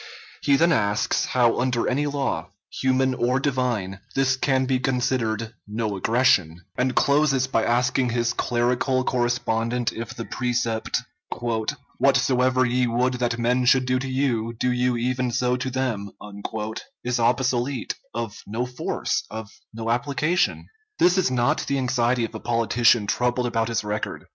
He then asks, how under any law, human or divine, this can be considered "no aggression," and closes by asking his clerical correspondent if the precept, "Whatsoever ye would that men should do to you, do you even so to them," is obsolete, of no force, of no application? This is not the anxiety of a politician troubled about his record.